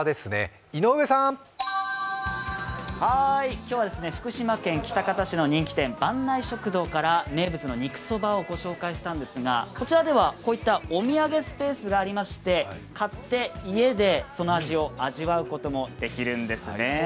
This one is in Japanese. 今日は福島県喜多方市の人気店坂内食堂から名物の肉そばをご紹介したんですが、こちらではお土産スペースがありまして、買って家でその味を味わうこともできるんですね。